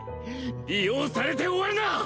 利用されて終わるな！